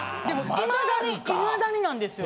いまだになんですよ。